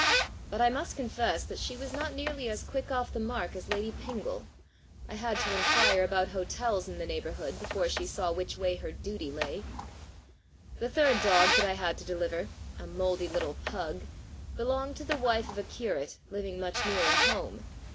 But I must confess that she was not nearly as quick off the mark as Lady Pingle. I had to inquire about hotels in the neighbourhood before she saw which way her duty lay. * The third dog that I had to deliver, a mouldy little pug, belonged to the wife of a curate living much nearer home.